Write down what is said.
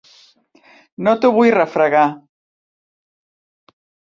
No t'ho vull refregar.